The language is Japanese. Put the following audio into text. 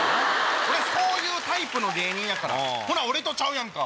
俺そういうタイプの芸人やからほな俺とちゃうやんか。